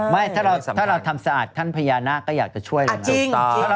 เมื่อเราทำสะอาดท่านพญานาก็อยากจะช่วยเลยนะ